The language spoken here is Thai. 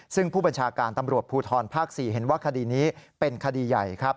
ซึ่งผู้บัญชาการตำรวจภูทรภาค๔เห็นว่าคดีนี้เป็นคดีใหญ่ครับ